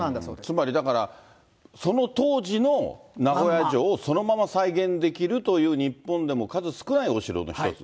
つまりだから、その当時の名古屋城をそのまま再現できるという、日本でも数少ないお城の一つ。